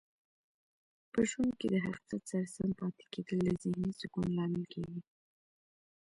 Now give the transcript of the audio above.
په ژوند کې د حقیقت سره سم پاتې کیدل د ذهنې سکون لامل کیږي.